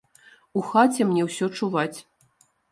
У хаце мне ўсё чуваць.